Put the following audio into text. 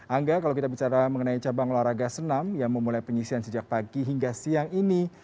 angga kalau kita bicara mengenai cabang olahraga senam yang memulai penyisian sejak pagi hingga siang ini